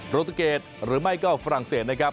โรตุเกตหรือไม่ก็ฝรั่งเศสนะครับ